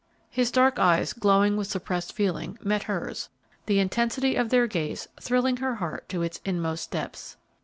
His dark eyes, glowing with suppressed feeling, met hers, the intensity of their gaze thrilling her heart to its inmost depths.